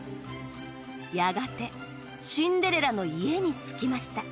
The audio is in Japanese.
やがてシンデレラの家に着きました